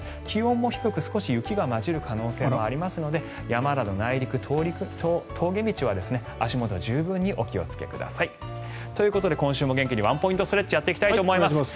気温も低く、少し雪が交じる可能性もありますので山など内陸、峠道は足元十分にお気をつけください。ということで今週も元気にワンポイントストレッチやっていきたいと思います。